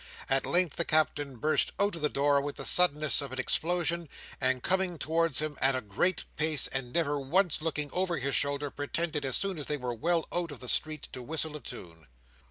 At length the Captain burst out of the door with the suddenness of an explosion, and coming towards him at a great pace, and never once looking over his shoulder, pretended, as soon as they were well out of the street, to whistle a tune.